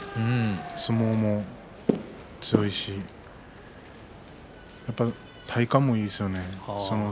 相撲も強いし体幹もいいですよね。